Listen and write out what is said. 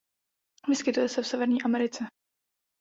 Vyskytuje se v Severní Americe.